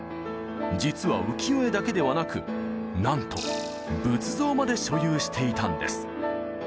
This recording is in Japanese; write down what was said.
実は浮世絵だけではなくなんと仏像まで所有していたんです。